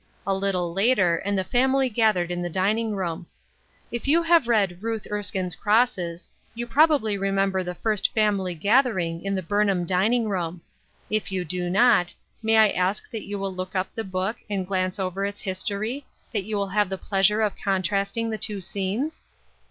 A little later and the family gathered in the dining room. If you have read " Ruth Erskine's Crosses " you possibly remember the first family gathering in the Burnham dining room. If you do not, may I ask that you will look up the book and glance over its history, that you may have the pleasure of contrasting the two scenes